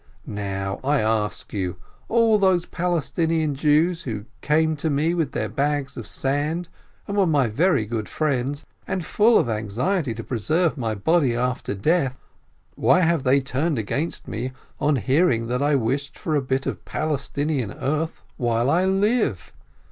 Now I ask you — all those Palestinian Jews who came to me with their bags of sand, and were my very good friends, and full of anxiety to preserve my body after death, why have they turned against me on hearing that I wished for a bit of Palestinian earth while I live?